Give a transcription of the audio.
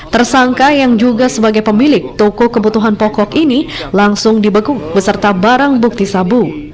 tersangka yang juga sebagai pemilik toko kebutuhan pokok ini langsung dibekuk beserta barang bukti sabu